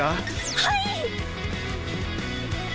はい！